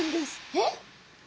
えっ？